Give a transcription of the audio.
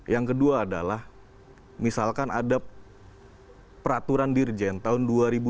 yang kedua adalah misalkan ada peraturan dirjen tahun dua ribu dua puluh